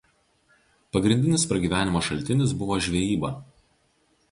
Pagrindinis pragyvenimo šaltinis buvo žvejyba.